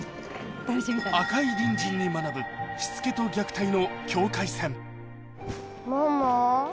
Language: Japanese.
『赤い隣人』に学ぶしつけと虐待の境界線ママ。